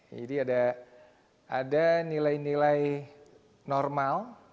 jadi ada nilai nilai normal